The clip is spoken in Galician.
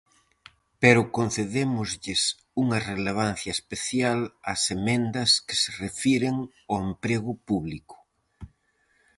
Pero concedémoslles unha relevancia especial ás emendas que se refiren ao emprego público.